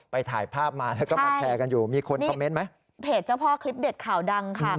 ถ่ายภาพมาแล้วก็มาแชร์กันอยู่มีคนคอมเมนต์ไหมเพจเจ้าพ่อคลิปเด็ดข่าวดังค่ะ